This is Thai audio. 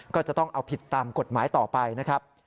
ก็จะต้องเอาผิดตามกฎหมายต่อไปนะครับ